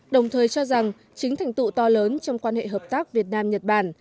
đồng thời cho rằng chính thành tựu to lớn trong quan hệ hợp tác việt nam nhật bản